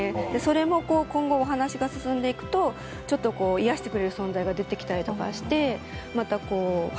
それも今後お話が進んでいくとちょっと癒してくれる存在が出てきたりとかして。